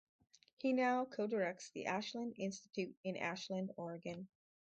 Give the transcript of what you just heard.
He now co-directs the Ashland Institute in Ashland, Oregon.